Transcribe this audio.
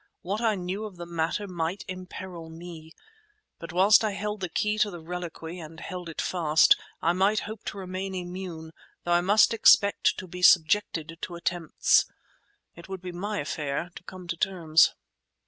What I knew of the matter might imperil me, but whilst I held the key to the reliquary, and held it fast, I might hope to remain immune though I must expect to be subjected to attempts. It would be my affair to come to terms.